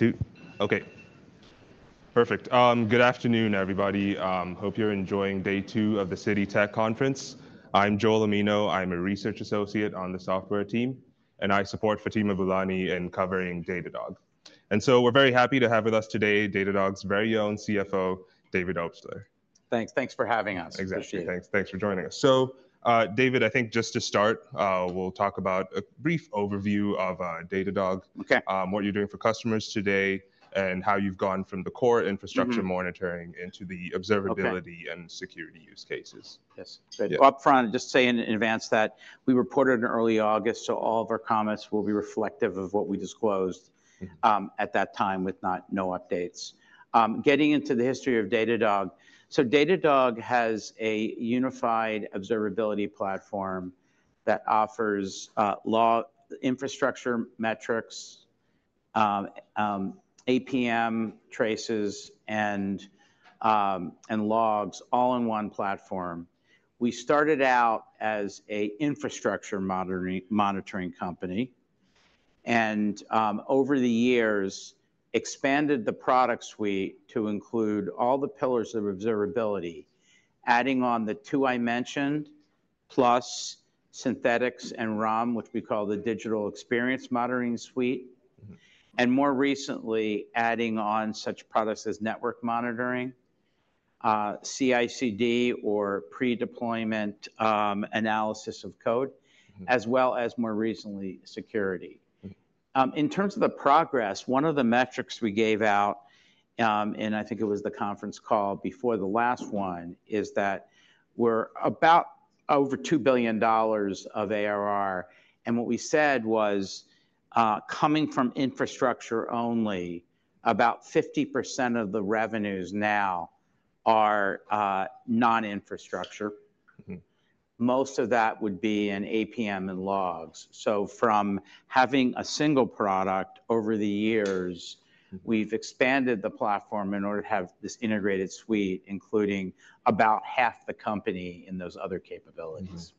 One, two. Okay, perfect. Good afternoon, everybody. Hope you're enjoying day two of the Citi Global Technology Conference. I'm Joel Omino. I'm a research associate on the software team, and I support Fatima Boolani in covering Datadog. So we're very happy to have with us today, Datadog's very own CFO, David Obstler. Thanks, thanks for having us. Appreciate it. Thanks. Thanks for joining us. So, David, I think just to start, we'll talk about a brief overview of, Datadog. What you're doing for customers today, and how you've gone from the core infrastructure monitoring into the observability and security use cases. Yes. Yeah. Up front, just say in advance that we reported in early August, so all of our comments will be reflective of what we disclosed at that time, with no updates. Getting into the history of Datadog, so Datadog has a unified observability platform that offers logs, infrastructure metrics, APM traces, and logs, all in one platform. We started out as an infrastructure monitoring company, and over the years, expanded the product suite to include all the pillars of observability. Adding on the two I mentioned, plus Synthetics and RUM, which we call the Digital Experience Monitoring Suite. More recently, adding on such products as network monitoring, CI/CD, or pre-deployment analysis of code- as well as more recently, security. In terms of the progress, one of the metrics we gave out, and I think it was the conference call before the last one, is that we're about over $2 billion of ARR. And what we said was, coming from infrastructure only, about 50% of the revenues now are non-infrastructure. Most of that would be in APM and logs. So from having a single product, over the years, we've expanded the platform in order to have this integrated suite, including about half the company in those other capabilities.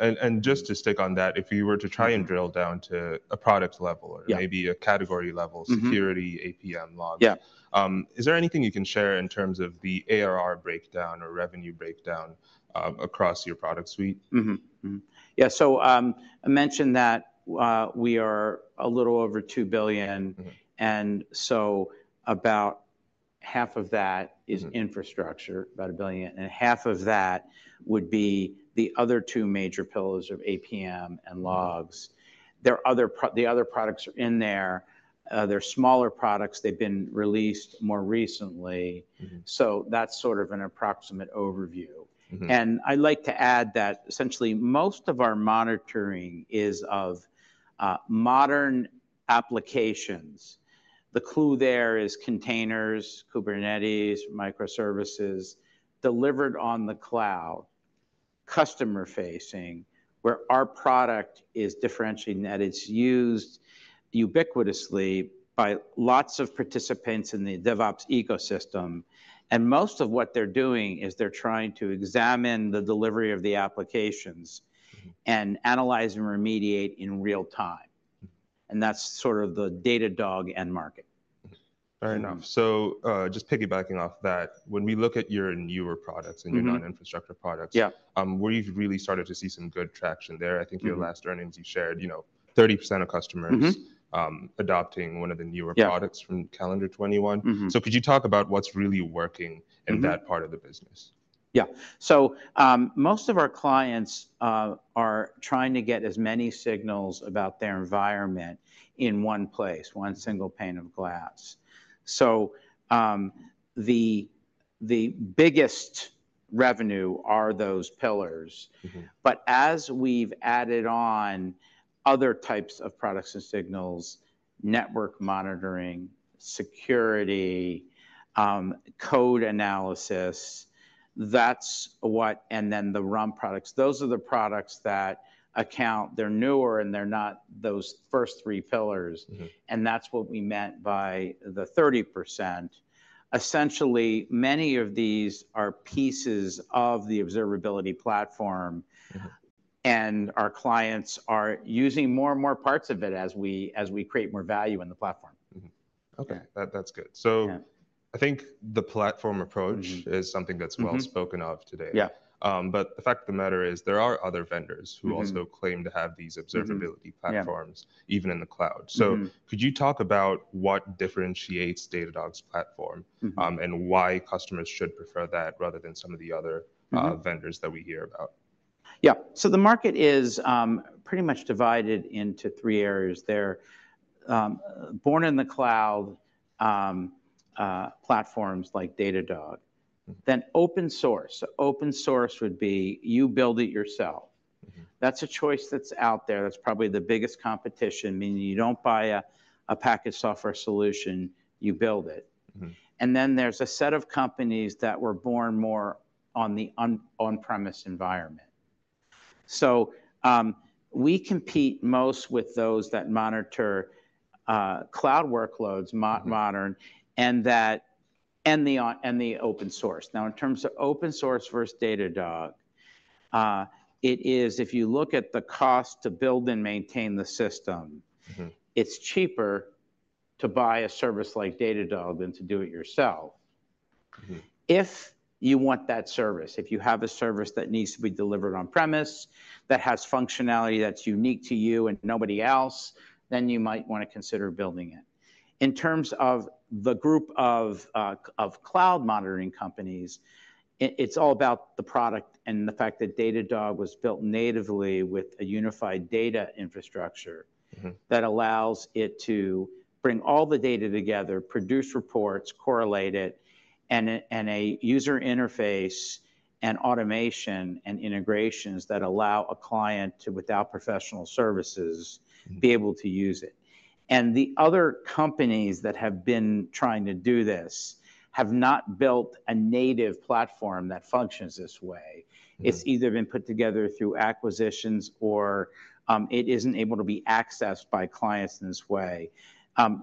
And just to stick on that, if you were to try and drill down to a product level-or maybe a category level-security, APM, logs, is there anything you can share in terms of the ARR breakdown or revenue breakdown, across your product suite? Yeah, so, I mentioned that, we are a little over $2 billion and so about half of that is infrastructure, about $1 billion, and $500 million of that would be the other two major pillars of APM and logs. There are other products in there. They're smaller products. They've been released more recently. So that's sort of an approximate overview. I'd like to add that essentially, most of our monitoring is of modern applications. The clue there is containers, Kubernetes, microservices, delivered on the cloud, customer facing, where our product is differentiating, that it's used ubiquitously by lots of participants in the DevOps ecosystem. Most of what they're doing is, they're trying to examine the delivery of the applications and analyze and remediate in real time. That's sort of the Datadog end market. Fair enough. So, just piggybacking off that, when we look at your newer products and your non-infrastructure products, we've really started to see some good traction I think your last earnings, you shared, you know, 30% of customers-adopting one of the newer products-from calendar 2021. Could you talk about what's really working in that part of the business? Yeah. So, most of our clients are trying to get as many signals about their environment in one place, one single pane of glass. So, the biggest revenue are those pillars. But as we've added on other types of products and signals, network monitoring, security, code analysis, that's what, and then the RUM products, those are the products that account. They're newer, and they're not those first three pillars. That's what we meant by the 30%. Essentially, many of these are pieces of the observability platform and our clients are using more and more parts of it as we create more value in the platform. Okay. That good. So I think the platform approach is something that's well spoken of today. But the fact of the matter is, there are other vendors who also claim to have these observability platforms even in the cloud. Could you talk about what differentiates Datadog's platform and why customers should prefer that rather than some of the other vendors that we hear about? Yeah. So the market is pretty much divided into three areas. They're born in the cloud platforms like Datadog. Then open source. Open source would be, you build it yourself. That's a choice that's out there. That's probably the biggest competition, meaning you don't buy a package software solution, you build it. And then there's a set of companies that were born more on the on-premise environment. So, we compete most with those that monitor cloud workloads, modern, and the on-premise, and the open source. Now, in terms of open source versus Datadog, it is, if you look at the cost to build and maintain the system, it's cheaper to buy a service like Datadog than to do it yourself. If you want that service, if you have a service that needs to be delivered on premise, that has functionality that's unique to you and nobody else, then you might wanna consider building it. In terms of the group of cloud monitoring companies, it's all about the product and the fact that Datadog was built natively with a unified data infrastructure that allows it to bring all the data together, produce reports, correlate it, and a user interface and automation and integrations that allow a client to, without professional services, be able to use it. The other companies that have been trying to do this have not built a native platform that functions this way. It's either been put together through acquisitions or it isn't able to be accessed by clients in this way.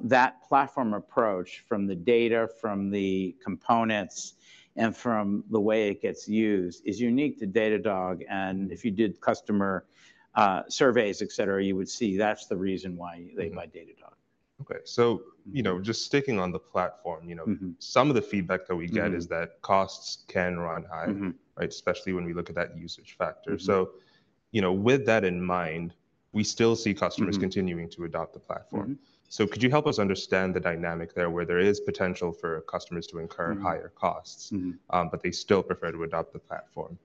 That platform approach from the data, from the components, and from the way it gets used is unique to Datadog, and if you did customer surveys, etc., you would see that's the reason why they buy Datadog. Okay. So, you know, just sticking on the platform, you know, some of the feedback that we get is that costs can run high. Right? Especially when we look at that usage factor. You know, with that in mind, we still see customers continuing to adopt the platform. Could you help us understand the dynamic there, where there is potential for customers to incur higher costs but they still prefer to adopt the platform?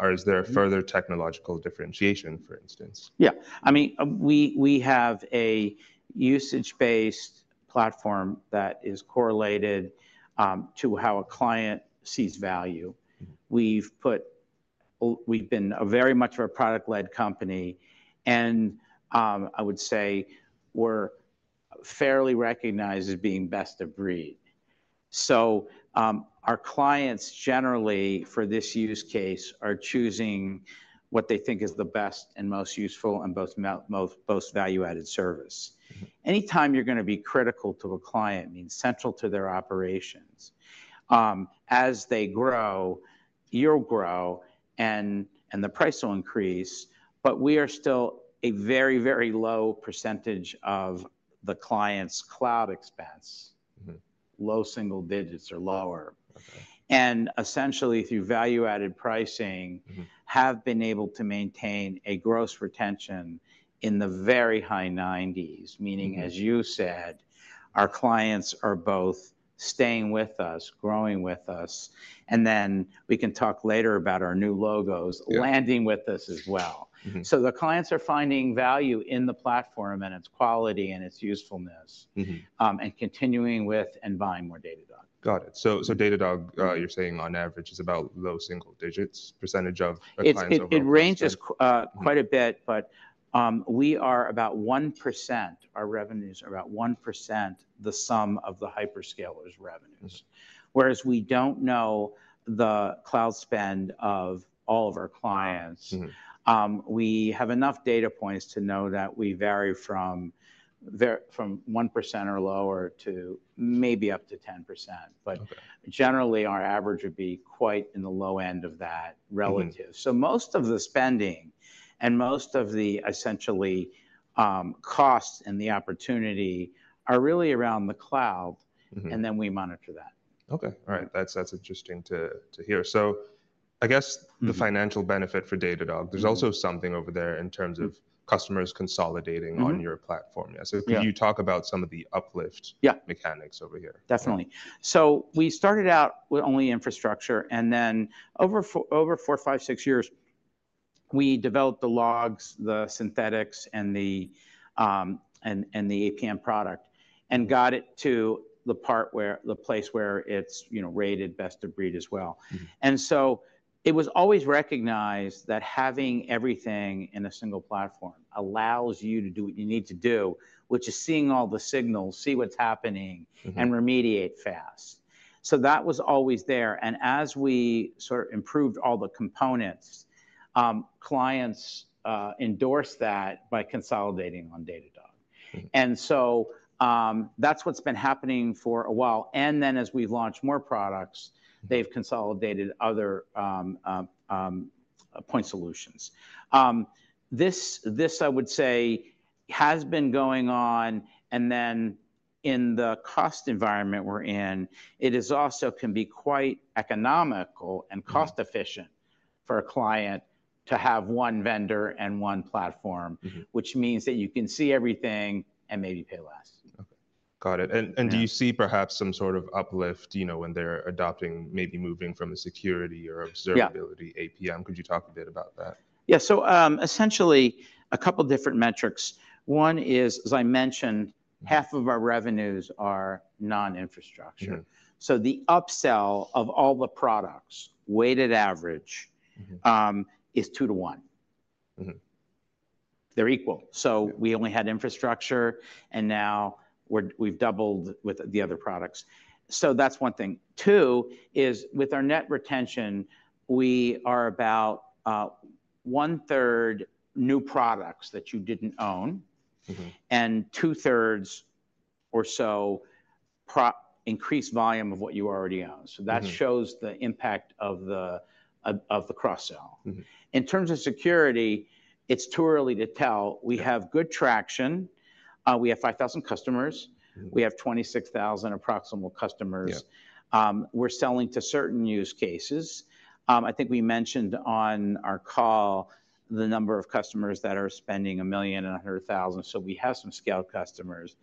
Or is there further technological differentiation, for instance? Yeah. I mean, we have a usage-based platform that is correlated to how a client sees value. We've been a very much of a product-led company, and I would say we're fairly recognized as being best of breed. So, our clients, generally for this use case, are choosing what they think is the best and most useful, and most value-added service. Anytime you're gonna be critical to a client, means central to their operations, as they grow, you'll grow, and the price will increase, but we are still a very, very low percentage of the client's cloud expense. Low single digits or lower. Essentially, through value-added pricing, have been able to maintain a gross retention in the very high 90s. Meaning, as you said, our clients are both staying with us, growing with us, and then we can talk later about our new logos landing with us as well. The clients are finding value in the platform, and its quality, and its usefulness, and continuing with and buying more Datadog. Got it. So Datadog, you're saying on average, is about low single digits % of its clients. It ranges quite a bit, but we are about 1%, our revenues are about 1% the sum of the hyperscalers' revenue. Whereas we don't know the cloud spend of all of our clients, we have enough data points to know that we vary from 1% or lower to maybe up to 10%. Generally, our average would be quite in the low end of that relative. Most of the spending, and most of the essentially, cost and the opportunity are really around the cloud and then we monitor that. Okay. All right, that's interesting to hear. So I guess the financial benefit for Datadog, there's also something over there in terms of customers consolidating on your platform. Yeah. Could you talk about some of the uplift mechanics over here? Definitely. So we started out with only infrastructure, and then over four, five, six years, we developed the logs, the Synthetics, and the APM product, and got it to the part where, the place where it's, you know, rated best of breed as well. And so it was always recognized that having everything in a single platform allows you to do what you need to do, which is seeing all the signals, see what's happening and remediate fast. So that was always there, and as we sort of improved all the components, clients endorsed that by consolidating on Datadog. And so, that's what's been happening for a while, and then as we've launched more products they've consolidated other point solutions. This, I would say, has been going on, and then in the cost environment we're in, it is also can be quite economical and cost-efficient for a client to have one vendor and one platform. Which means that you can see everything and maybe pay less. Okay. Got it. Do you see perhaps some sort of uplift, you know, when they're adopting, maybe moving from a security or observability APM? Could you talk a bit about that? Yeah. So, essentially, a couple different metrics. One is, as I mentioned, half of our revenues are non-infrastructure. So the upsell of all the products, weighted average is 2-to-1. They're equal. So we only had infrastructure, and now we've doubled with the other products. So that's one thing. Two, is with our net retention, we are about 1/3 new products that you didn't own and 2/3 or so increased volume of what you already own. So that shows the impact of the cross-sell. In terms of security, it's too early to tell. We have good traction. We have 5,000 customers. We have 26,000 approximate customers. We're selling to certain use cases. I think we mentioned on our call the number of customers that are spending $1 million and $100,000. So we have some scale customers.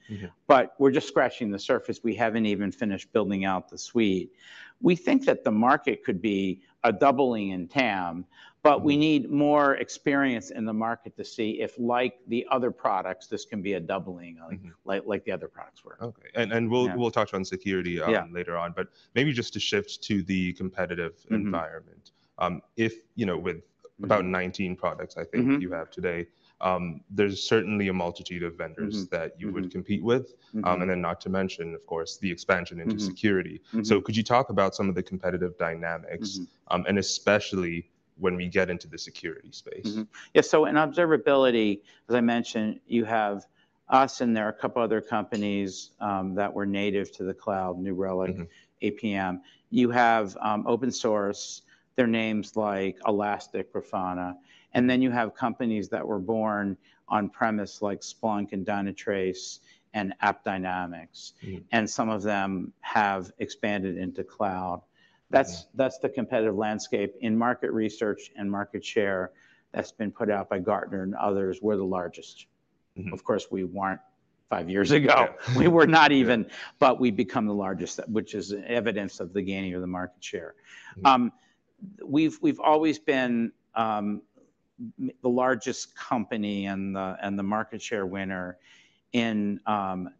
But we're just scratching the surface. We haven't even finished building out the suite. We think that the market could be a doubling in TAM but we need more experience in the market to see if, like the other products, this can be a doubling, like the other products were. Okay. And we'll we'll talk about security later on, but maybe just to shift to the competitive environment. If you know, with about 19 products I think you have today, there's certainly a multitude of vendors that you would compete with. And then, not to mention, of course, the expansion into security. Could you talk about some of the competitive dynamics? Especially when we get into the security space. Yeah, so in observability, as I mentioned, you have us, and there are a couple other companies, that were native to the cloud, New Relic, APM. You have open-source. Their names like Elastic, Grafana, and then you have companies that were born on-premise, like Splunk and Dynatrace and AppDynamics. Some of them have expanded into cloud. That's the competitive landscape. In market research and market share, that's been put out by Gartner and others, we're the largest. Of course, we weren't five years ago. We were not even, but we've become the largest, which is evidence of the gaining of the market share. We've always been the largest company and the market share winner in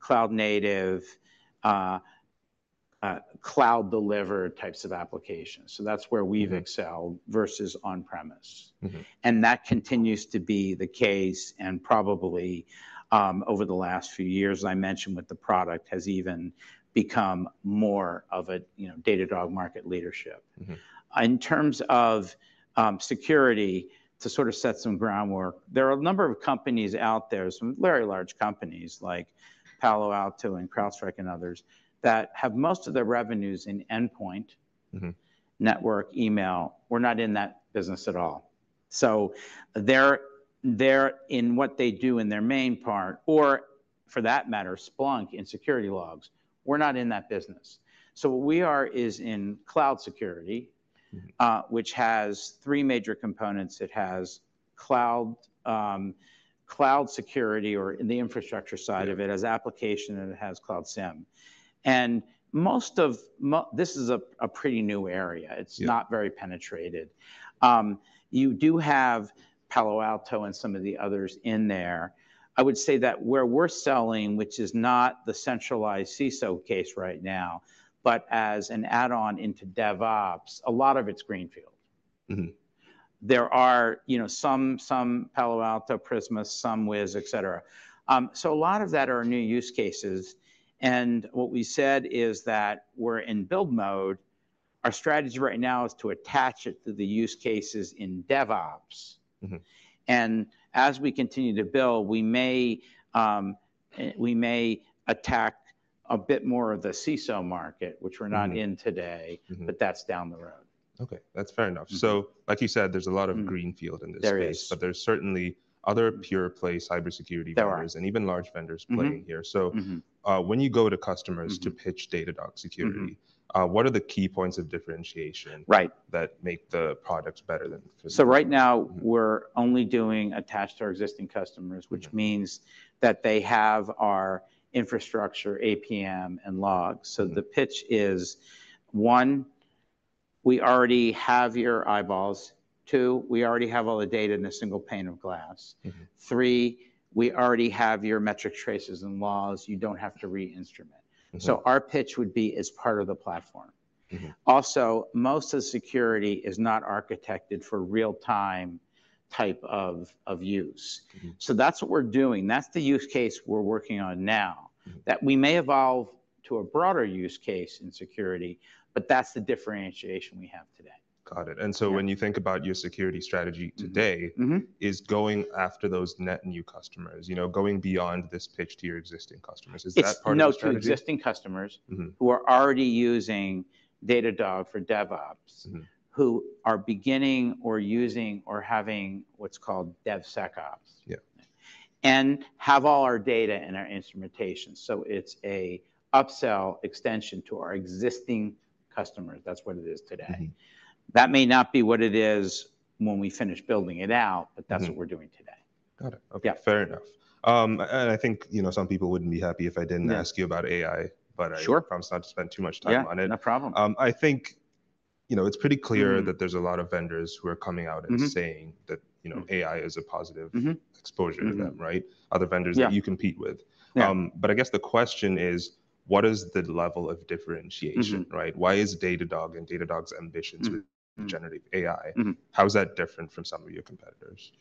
cloud native cloud deliver types of applications. So that's where we've excelled versus on-premise. That continues to be the case, and probably, over the last few years, I mentioned with the product, has even become more of a, you know, Datadog market leadership. In terms of security, to sort of set some groundwork, there are a number of companies out there, some very large companies like Palo Alto and CrowdStrike and others, that have most of their revenues in endpoint. Network, email. We're not in that business at all. So they're, they're in what they do in their main part, or for that matter, Splunk, in security logs. We're not in that business. So what we are is in cloud security, which has three major components. It has cloud, cloud security, or in the infrastructure side of it, it has application, and it has Cloud SIEM. And most of this is a pretty new area. It's not very penetrated. You do have Palo Alto and some of the others in there. I would say that where we're selling, which is not the centralized CISO case right now, but as an add-on into DevOps, a lot of it's greenfield. There are, you know, some, some Palo Alto, Prisma, some Wiz, etc.. So a lot of that are new use cases, and what we said is that we're in build mode. Our strategy right now is to attach it to the use cases in DevOps. And as we continue to build, we may attack a bit more of the CISO market, which we're not in today. But that's down the road. Okay, that's fair enough So, like you said, there's a lot of greenfield in this space. There is. But there's certainly other pure play cybersecurity vendors and even large vendors playing here. So, when you go to customers to pitch Datadog Security what are the key points of differentiation that make the products better than the previous ones? Right now we're only doing attached to our existing customers which means that they have our infrastructure, APM, and logs. The pitch is, one, we already have your eyeballs. Two, we already have all the data in a single pane of glass. Three, we already have your metric traces and logs. You don't have to re-instrument. Our pitch would be as part of the platform. Also, most of the security is not architected for real-time type of use. That's what we're doing. That's the use case we're working on now. That we may evolve to a broader use case in security, but that's the differentiation we have today. Got it. When you think about your security strategy today. is going after those net new customers, you know, going beyond this pitch to your existing customers, is that part of the strategy? It's no to existing customers who are already using Datadog for DevOps, who are beginning or using or having what's called DevSecOps. And have all our data and our instrumentation. So it's an upsell extension to our existing customers. That's what it is today. That may not be what it is when we finish building it out but that's what we're doing today. Got it. Okay, fair enough. I think, you know, some people wouldn't be happy if I didn't ask you about AI, but I promise not to spend too much time on it. I think, you know, it's pretty clear that there's a lot of vendors who are coming out and saying that, you know, AI is a positive, exposure to them, right? Other vendors that you compete with. I guess the question is, what is the level of differentiation, right? Why is Datadog and Datadog's ambition with generative AI? How is that different from some of your competitors?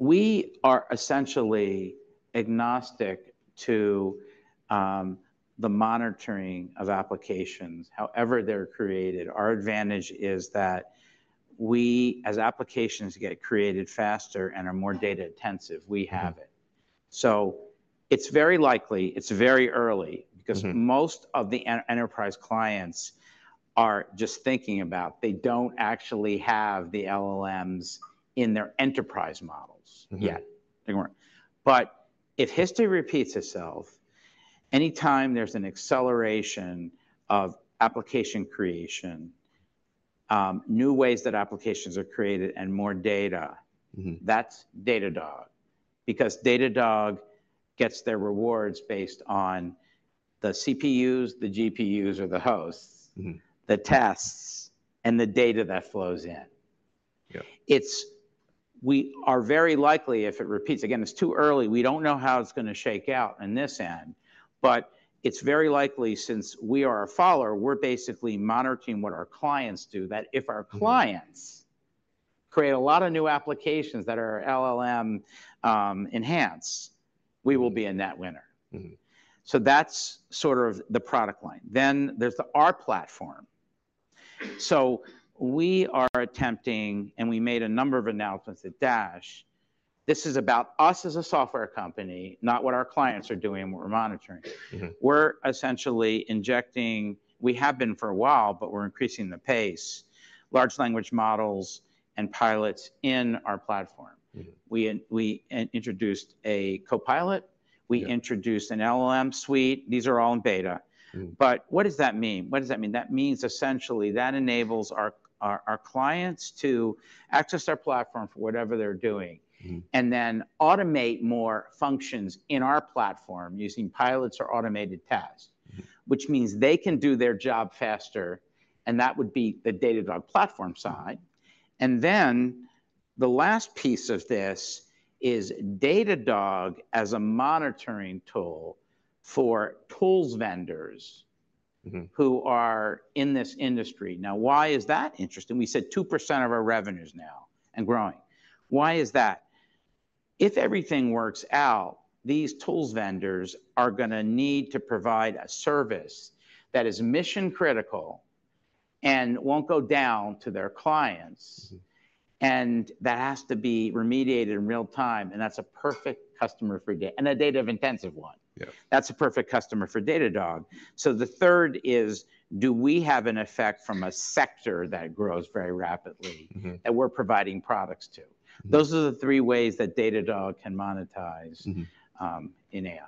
We are essentially agnostic to the monitoring of applications, however they're created. Our advantage is that we, as applications get created faster and are more data-intensive, we have it. So it's very likely, it's very early, because most of the enterprise clients are just thinking about, they don't actually have the LLMs in their enterprise models yet. But if history repeats itself, anytime there's an acceleration of application creation, new ways that applications are created, and more data, that's Datadog. Because Datadog gets their rewards based on the CPUs, the GPUs, or the hosts, the tasks, and the data that flows in. We are very likely, if it repeats. Again, it's too early. We don't know how it's gonna shake out on this end, but it's very likely, since we are a follower, we're basically monitoring what our clients do, that if our clients create a lot of new applications that are LLM enhanced, we will be a net winner. So that's sort of the product line. Then, there's our platform. So we are attempting, and we made a number of announcements at DASH. This is about us as a software company, not what our clients are doing and what we're monitoring. We're essentially injecting, we have been for a while, but we're increasing the pace, large language models and pilots in our platform. We introduced a copilot. We introduced an LLM suite. These are all in beta. But what does that mean? What does that mean? That means, essentially, that enables our clients to access our platform for whatever they're doing and then automate more functions in our platform using Copilot or automated tasks. Which means they can do their job faster, and that would be the Datadog platform side. And then, the last piece of this is Datadog as a monitoring tool for tools vendors, who are in this industry. Now, why is that interesting? We said 2% of our revenues now, and growing. Why is that? If everything works out, these tools vendors are gonna need to provide a service that is mission-critical and won't go down to their clients and that has to be remediated in real time, and that's a perfect customer for Datadog and a data-intensive one. That's a perfect customer for Datadog. So the third is, do we have an effect from a sector that grows very rapidly? that we're providing products to? Those are the three ways that Datadog can monetize in AI.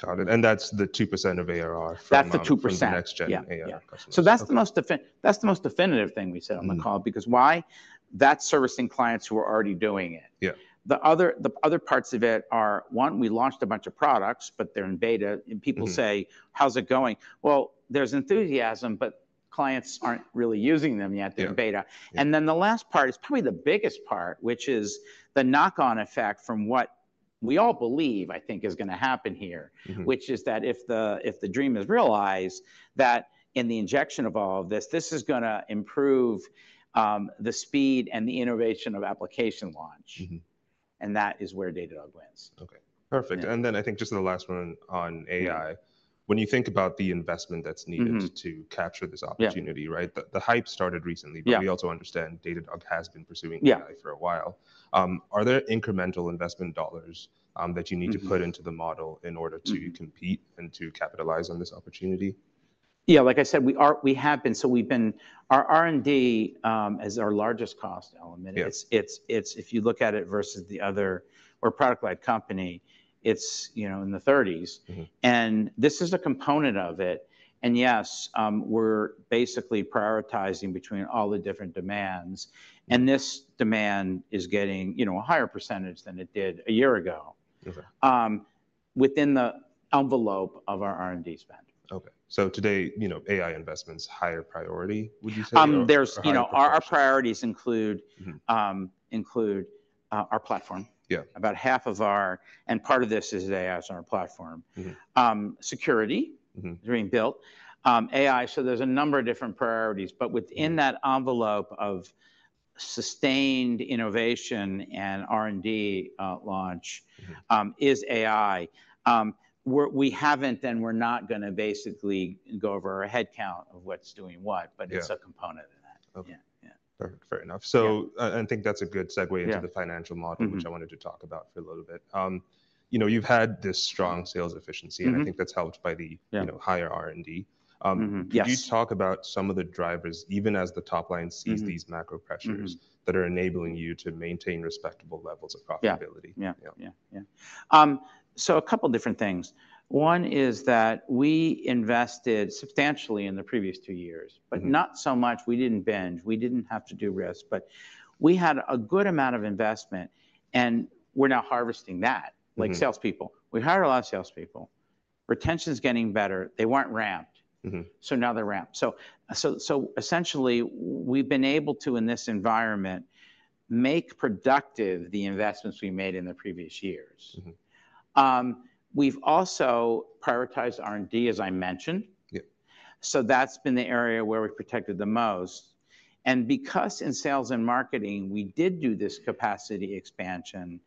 Got it. And that's the 2% of ARR from. That's the 2%. The next-gen AI customers. Yeah. Yeah. Okay. That's the most definitive thing we said on the call. Because why? That's servicing clients who are already doing it. The other parts of it are, one, we launched a bunch of products, but they're in beta, and people say "How's it going?" Well, there's enthusiasm, but clients aren't really using them. They're beta. And then the last part is probably the biggest part, which is the knock-on effect from what we all believe, I think, is gonna happen here, which is that if the dream is realized, that in the injection of all of this, this is gonna improve the speed and the innovation of application launch. That is where Datadog wins. Okay, perfect. And then I think just the last one on AI. When you think about the investment that's needed to capture this opportunity right? The hype started recently but we also understand Datadog has been pursuing AI for a while. Are there incremental investment dollars, that you need to put into the model in order to compete and to capitalize on this opportunity? Yeah, like I said, we are, we have been, so we've been. Our R&D is our largest cost element. It's if you look at it versus the other, we're a product-led company, it's, you know, in the thirties. This is a component of it, and yes, we're basically prioritizing between all the different demands, and this demand is getting, you know, a higher percentage than it did a year ago. Within the envelope of our R&D spend. Okay. So today, you know, AI investment's higher priority, would you say? Or higher proportion. There's, you know, our priorities include, include our platform. About half of our. Part of this is AI as our platform. Security, being built. AI, so there's a number of different priorities, but within that envelope of sustained innovation and R&D, launch, is AI. We're, we haven't, and we're not gonna basically go over our head count of what's doing what, but it's a component of that. Perfect. Fair enough. So, I think that's a good segue into the financial model which I wanted to talk about for a little bit. You know, you've had this strong sales efficiency and I think that's helped by the, you know, higher R&D. Could you talk about some of the drivers, even as the top line sees these macro pressures that are enabling you to maintain respectable levels of profitability? Yeah. Yeah. Yeah, yeah. So a couple different things. One is that we invested substantially in the previous two years, but not so much. We didn't binge. We didn't have to do risk, but we had a good amount of investment, and we're now harvesting that. Like, salespeople. We hired a lot of salespeople. Retention's getting better. They weren't ramped. So now they're ramped. So essentially, we've been able to, in this environment, make productive the investments we made in the previous years. We've also prioritized R&D, as I mentioned. So that's been the area where we've protected the most. And because in sales and marketing we did do this capacity expansion,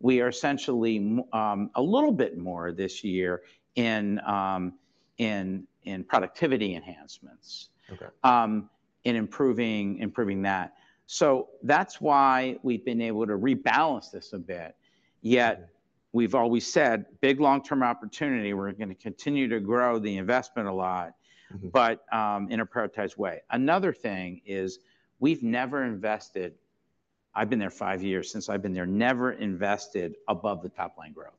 we are essentially a little bit more this year in productivity enhancements, in improving that. So that's why we've been able to rebalance this a bit. Yet, we've always said, big long-term opportunity, we're gonna continue to grow the investment a lot, but, in a prioritized way. Another thing is, we've never invested. I've been there five years; since I've been there, never invested above the top-line growth.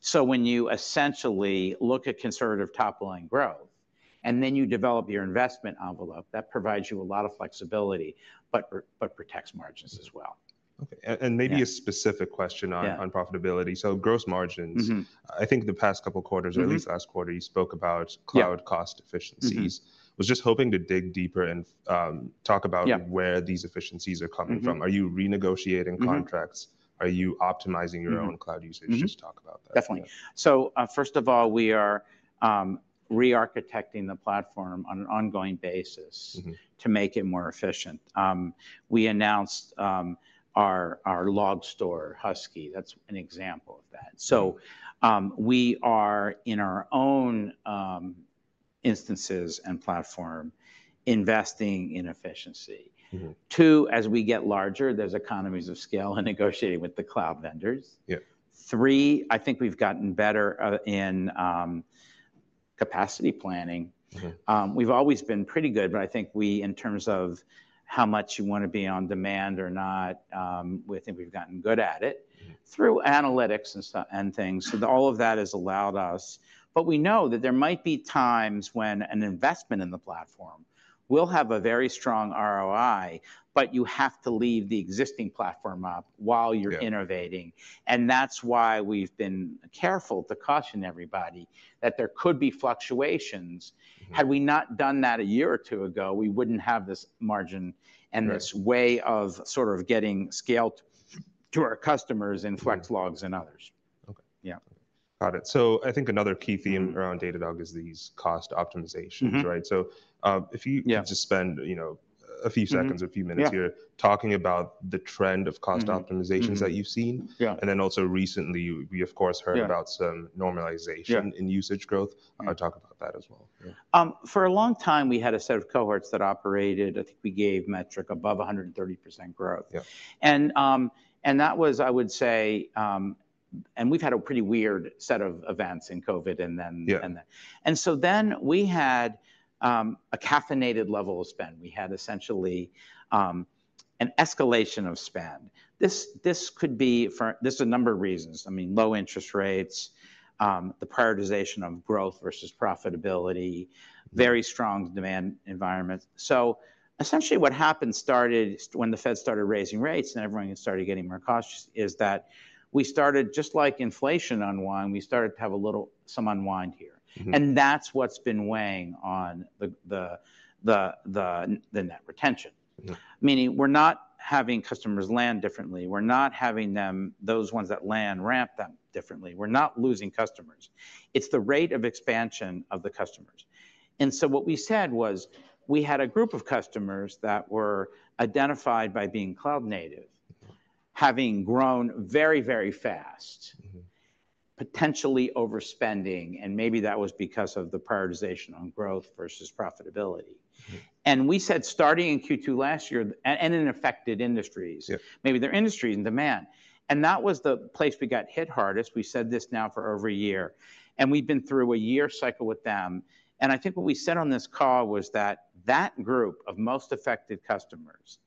So when you essentially look at conservative top-line growth, and then you develop your investment envelope, that provides you a lot of flexibility, but protects margins as well. Okay. And maybe a specific question on profitability. So gross margins.I think the past couple of quarters, or at least last quarter, you spoke about cloud cost efficiencies was just hoping to dig deeper and talk about where these efficiencies are coming from. Are you renegotiating contracts? Are you optimizing your own cloud usage? Just talk about that. Definitely. So, first of all, we are re-architecting the platform on an ongoing basis to make it more efficient. We announced our log store, Husky, that's an example of that. We are, in our own instances and platform, investing in efficiency. Two, as we get larger, there's economies of scale in negotiating with the cloud vendors. Three, I think we've gotten better in capacity planning. We've always been pretty good, but I think we, in terms of how much you want to be on demand or not, we think we've gotten good at it, through analytics and stuff, and things. So all of that has allowed us. But we know that there might be times when an investment in the platform will have a very strong ROI, but you have to leave the existing platform up while you're innovating. That's why we've been careful to caution everybody that there could be fluctuations. Had we not done that a year or two ago, we wouldn't have this margin and this way of sort of getting scale to our customers in Flex Logs and others. Got it. I think another key theme around Datadog is these cost optimizations, right? If you just spend, you know, a few seconds or a few minutes here talking about the trend of cost optimizations that you've seen. And then also recently, we of course heard about some normalization in usage growth. Talk about that as well. For a long time, we had a set of cohorts that operated, I think we gave metric above 130% growth. And that was, I would say, and we've had a pretty weird set of events in COVID, and then. And so then we had a caffeinated level of spend. We had essentially an escalation of spend. This is a number of reasons. I mean, low interest rates, the prioritization of growth versus profitability., very strong demand environment. So essentially, what happened started when the Fed started raising rates, and everyone started getting more cautious, is that we started, just like inflation unwind, we started to have a little, some unwind here. And that's what's been weighing on the net retention. Meaning, we're not having customers land differently. We're not having them, those ones that land, ramp them differently. We're not losing customers. It's the rate of expansion of the customers. And so what we said was, we had a group of customers that were identified by being cloud native, having grown very, very fast, potentially overspending, and maybe that was because of the prioritization on growth versus profitability. And we said, starting in Q2 last year, and in affected industries. Maybe their industry and demand. That was the place we got hit hardest. We said this now for over a year, and we've been through a year cycle with them. I think what we said on this call was that, that group of most affected customers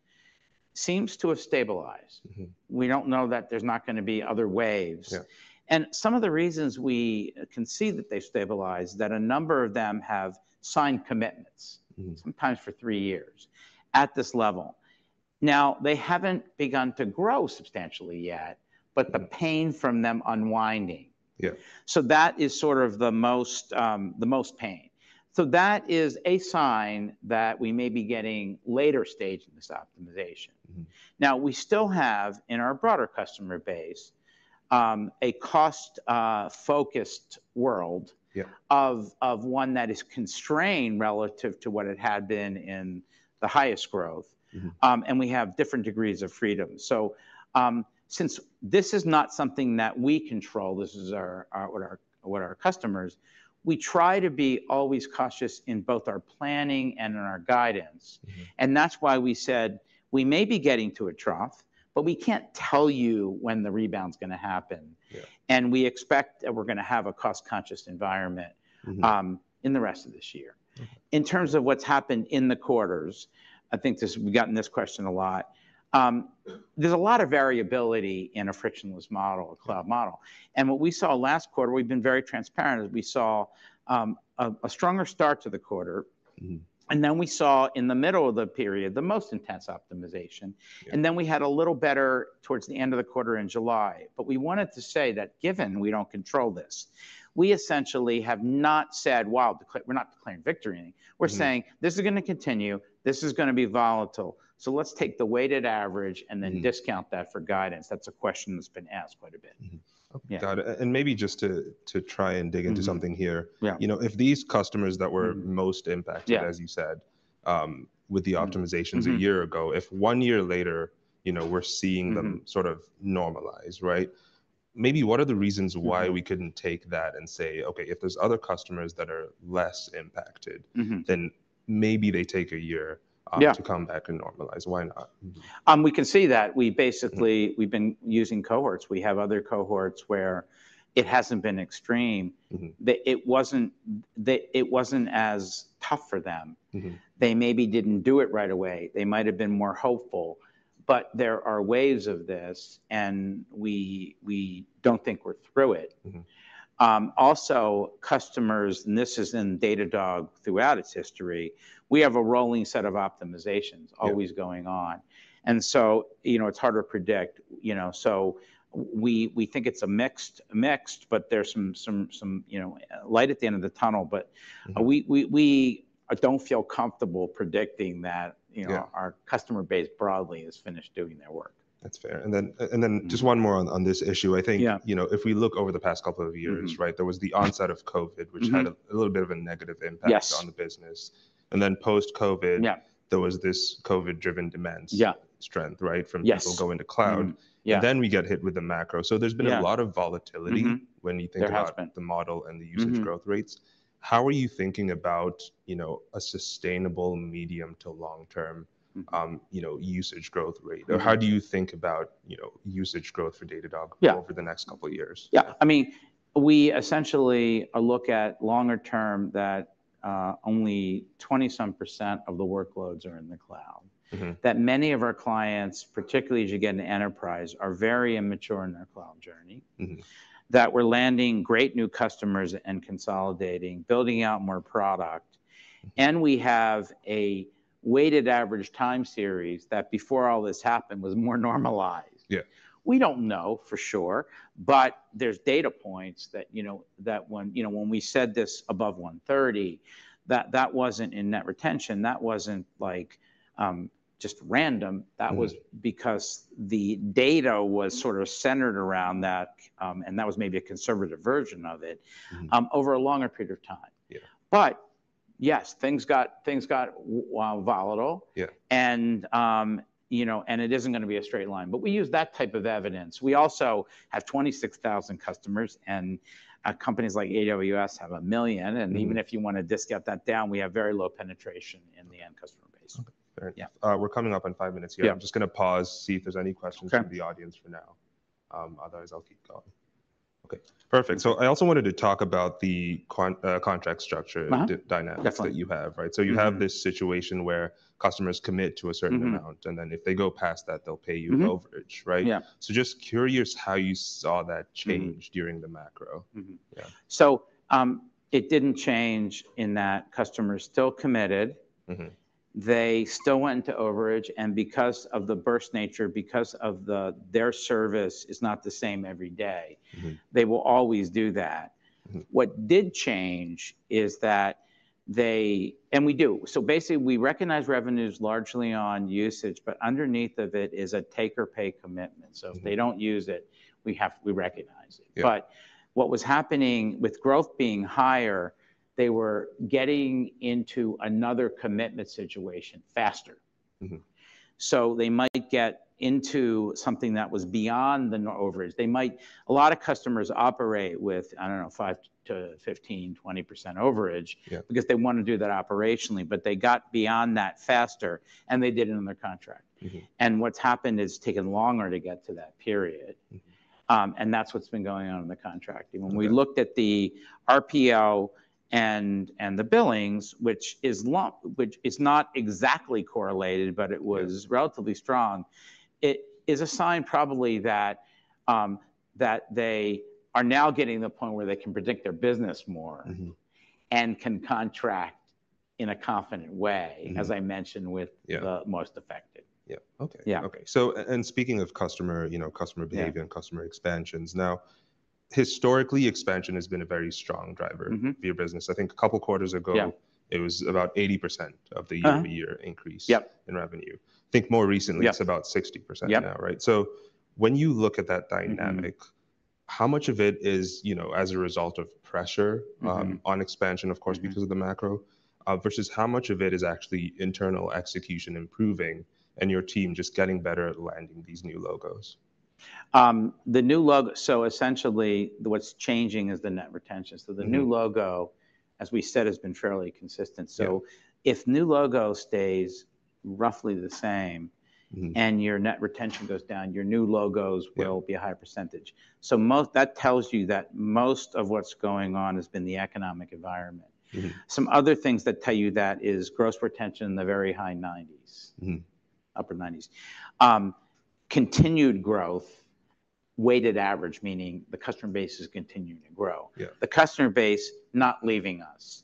seems to have stabilized. We don't know that there's not gonna be other waves. Some of the reasons we can see that they've stabilized, that a number of them have signed commitments, sometimes for three years, at this level. Now, they haven't begun to grow substantially yet, but the pain from them unwinding. So that is sort of the most, the most pain. So that is a sign that we may be getting later stage in this optimization. Now, we still have, in our broader customer base, a cost-focused world of one that is constrained relative to what it had been in the highest growth. We have different degrees of freedom. Since this is not something that we control, this is what our customers. We try to be always cautious in both our planning and in our guidance. And that's why we said, "We may be getting to a trough, but we can't tell you when the rebound's gonna happen." We expect that we're gonna have a cost-conscious environment in the rest of this year. In terms of what's happened in the quarters, I think we've gotten this question a lot. There's a lot of variability in a frictionless model, a cloud model. And what we saw last quarter, we've been very transparent, is we saw a stronger start to the quarter and then we saw in the middle of the period, the most intense optimization. And then we had a little better towards the end of the quarter in July. But we wanted to say that given we don't control this, we essentially have not said, well, we're not declaring victory or anything. We're saying: This is gonna continue, this is gonna be volatile, so let's take the weighted average and then discount that for guidance. That's a question that's been asked quite a bit. Got it. Maybe just to try and dig into something here. You know, if these customers that were most impacted, as you said, with the optimizations. a year ago, if one year later, you know, we're seeing them sort of normalize, right? Maybe what are the reasons why we couldn't take that and say, "Okay, if there's other customers that are less impacted then maybe they take a year to come back and normalize." Why not? We can see that. We basically, we've been using cohorts. We have other cohorts where it hasn't been extreme.It wasn't as tough for them. They maybe didn't do it right away. They might have been more hopeful, but there are waves of this, and we, we don't think we're through it. Also, customers, and this is in Datadog throughout its history, we have a rolling set of optimizations, always going on, and so, you know, it's harder to predict. You know, we think it's a mixed, but there's some, you know, light at the end of the tunnel. But we don't feel comfortable predicting that, you know, our customer base broadly has finished doing their work. That's fair. And then just one more on this issue. I think, you know, if we look over the past couple of years, right? There was the onset of COVID, which had a little bit of a negative impact on the business. And then post-COVID there was this COVID-driven demand strength, right? From people going to cloud. And then we get hit with the macro. There's been a lot of volatility, when you think about the model and the usage growth rates. How are you thinking about, you know, a sustainable medium to long-term, you know, usage growth rate. Or how do you think about, you know, usage growth for Datadog over the next couple of years? Yeah, I mean, we essentially look at longer term that only 20-some percent of the workloads are in the cloud. That many of our clients, particularly as you get into enterprise, are very immature in their cloud journey. That we're landing great new customers and consolidating, building out more product, and we have a weighted average time series that before all this happened, was more normalized. We don't know for sure, but there's data points that, you know, that when, you know, when we said this above 130, that, that wasn't in net retention. That wasn't, like, just random. That was because the data was sort of centered around that, and that was maybe a conservative version of it, over a longer period of time. But yes, things got volatile. And, you know, and it isn't gonna be a straight line, but we use that type of evidence. We also have 26,000 customers, and companies like AWS have 1 million. Even if you wanna discount that down, we have very low penetration in the end customer base. Okay. Fair enough. We're coming up on five minutes here. I'm just gonna pause, see if there's any questions from the audience for now. Otherwise, I'll keep going. Okay, perfect. So I also wanted to talk about the contract structure dynamic that you have, right? So you have this situation where customers commit to a certain amount and then if they go past that, they'll pay you overage, right? Just curious how you saw that change during the macro. It didn't change in that customers still committed. They still went into overage, and because of the burst nature, because their service is not the same every day, they will always do that. What did change is that they, and we do. So basically, we recognize revenues largely on usage, but underneath of it is a take or pay commitment. So if they don't use it, we have to recognize it. But what was happening, with growth being higher, they were getting into another commitment situation faster. So they might get into something that was beyond the no overage. They might. A lot of customers operate with, I don't know, 5%-15%, 20% overage because they wanna do that operationally, but they got beyond that faster, and they did it in their contract. What's happened, it's taken longer to get to that period. And that's what's been going on in the contracting. When we looked at the RPO and the billings, which is not exactly correlated, but it was relatively strong, it is a sign probably that that they are now getting to the point where they can predict their business more and can contract in a confident way as I mentioned, with the most affected. Okay, so and speaking of customer, you know, customer behavior and customer expansions, now, historically, expansion has been a very strong driver for your business. I think a couple quarters ago it was about 80% of the year-over-year increase in revenue. I think more recently it's about 60% now. Right? So when you look at that dynamic, how much of it is, you know, as a result of pressure on expansion, of course, because of the macro versus how much of it is actually internal execution improving and your team just getting better at landing these new logos? The new logo. So essentially, what's changing is the net retention. So the new logo, as we said, has been fairly consistent. If new logo stays roughly the same and your net retention goes down, your new logos will be a higher percentage. So most, that tells you that most of what's going on has been the economic environment. Some other things that tell you that is gross retention in the very high 90s. Upper 90s. Continued growth, weighted average, meaning the customer base is continuing to grow. The customer base not leaving us.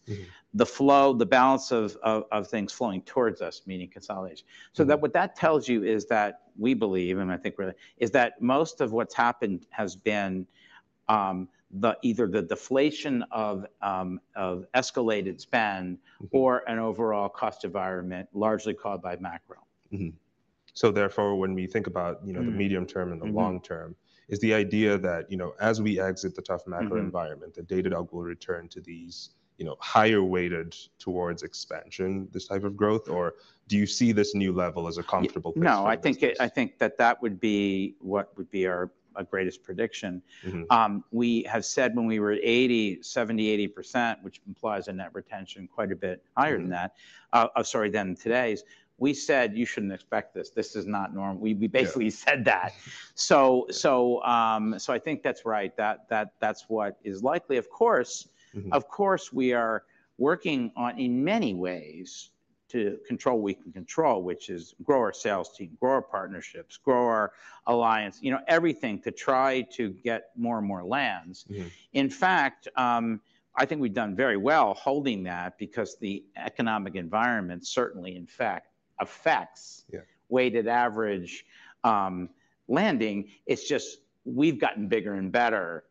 The flow, the balance of things flowing towards us, meaning consolidation. What that tells you is that we believe, and I think we're, is that most of what's happened has been the either the deflation of escalated spend or an overall cost environment, largely caused by macro. So therefore, when we think about, you know, the medium term and the long term, is the idea that, you know, as we exit the tough macro environment, that Datadog will return to these, you know, higher weighted towards expansion, this type of growth? Or do you see this new level as a comfortable place for the business? No, I think that would be our greatest prediction. We have said when we were 70%/80%, which implies a net retention quite a bit higher than that, sorry, than today is, we said: "You shouldn't expect this. This is not normal." We basically said that. So, I think that's right, that's what is likely. Of course, of course, we are working on, in many ways, to control what we can control, which is grow our sales team, grow our partnerships, grow our alliance, you know, everything, to try to get more and more lands. In fact, I think we've done very well holding that because the economic environment certainly, in fact, affects weighted average landing. It's just we've gotten bigger and better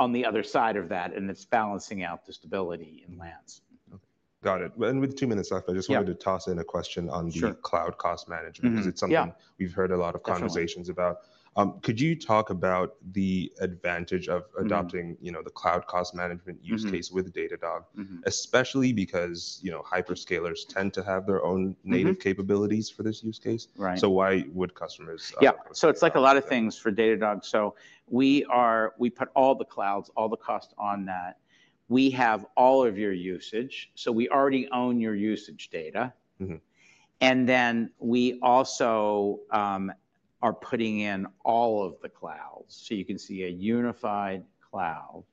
on the other side of that, and it's balancing out the stability in lands. Okay. Got it. Well, and with two minutes left, I just wanted to toss in a question on the Cloud Cost Management, because it's something we've heard a lot of conversations about. Could you talk about the advantage of adopting, you know, the Cloud Cost Management use case with Datadog? Especially because, you know, hyperscalers tend to have their own native capabilities for this use case. So why would customers choose Datadog? So it's like a lot of things for Datadog. So we put all the clouds, all the cost on that. We have all of your usage, so we already own your usage data. And then we also are putting in all of the clouds, so you can see a unified cloud.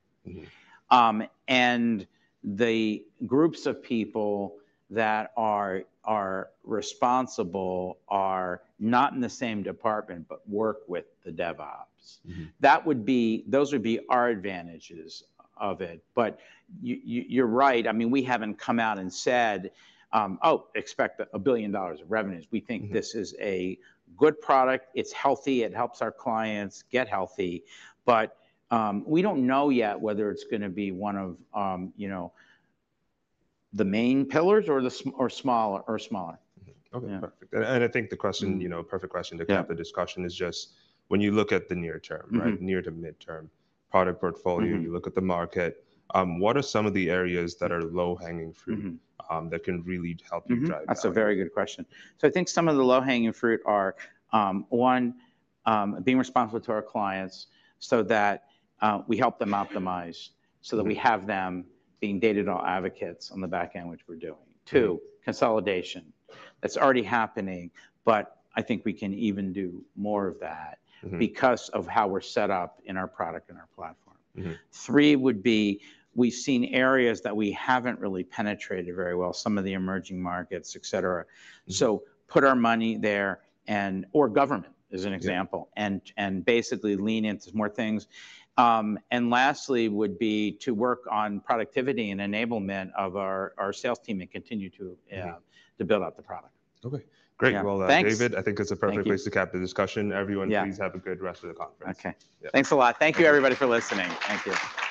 The groups of people that are responsible are not in the same department, but work with the DevOps.That would be, those would be our advantages of it. But you're right. I mean, we haven't come out and said: "Oh, expect $1 billion of revenues." We think this is a good product. It's healthy, it helps our clients get healthy. But we don't know yet whether it's gonna be one of, you know, the main pillars or smaller. Okay, perfect.I think the question, you know, perfect question to cap, the discussion is just when you look at the near term, right? Near to mid-term product portfolio, you look at the market, what are some of the areas that are low-hanging fruit that can really help you drive value? That's a very good question. I think some of the low-hanging fruit are, one, being responsible to our clients so that we help them optimize, so that we have them being Datadog advocates on the back end, which we're doing. Two, consolidation. That's already happening, but I think we can even do more of that, because of how we're set up in our product and our platform. Three would be, we've seen areas that we haven't really penetrated very well, some of the emerging markets, etc.. So put our money there, and, or government, as an example. And basically lean into more things. And lastly, would be to work on productivity and enablement of our sales team, and continue to, to build out the product. Okay, great. Yeah. Thanks! Well, David, I think that's a perfect place to cap the discussion. Everyone, please have a good rest of the conference. Okay. Yeah. Thanks a lot. Thank you, everybody, for listening. Thank you.